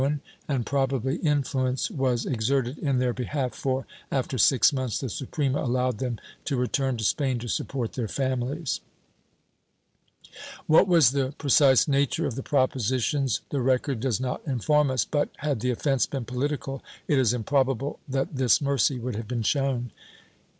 IV 12 178 PROPOSITIONS [Book VIII and probably influence was exerted in their behalf for, after six months, the Suprema allowed them to return to Spain to support their families/ What was the precise nature of the propositions the record does not inform us, but, had the offence been political, it is improbable that this mercy would have been shown.